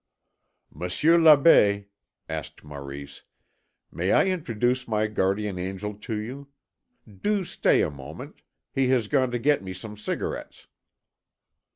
"Monsieur l'Abbé," asked Maurice, "may I introduce my guardian angel to you? Do stay a moment; he has gone to get me some cigarettes."